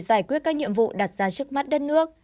ông sẽ giải quyết các nhiệm vụ đặt ra trước mắt đất nước